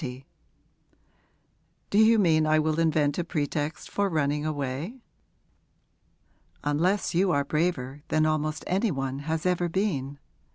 'Do you mean I will invent a pretext for running away?' 'Unless you are braver than almost any one has ever been.